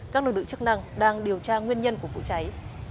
các lực lượng chức năng đang điều tra nguyên nhân của vụ cháy